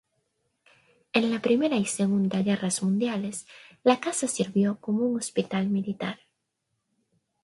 En la Primera y Segunda Guerras Mundiales, la casa sirvió como un hospital militar.